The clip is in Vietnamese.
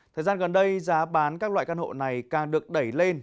thời gian gần đây giá bán các loại căn hộ này càng được đẩy lên